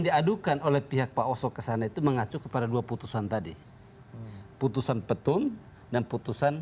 diadukan oleh pihak pak oso kesana itu mengacu kepada dua putusan tadi putusan petun dan putusan